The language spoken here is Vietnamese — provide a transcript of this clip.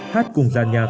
hát cùng giàn nhạc